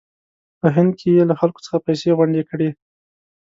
په هند کې یې له خلکو څخه پیسې غونډې کړې.